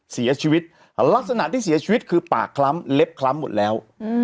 เสียชีวิตลักษณะที่เสียชีวิตคือปากคล้ำเล็บคล้ำหมดแล้ว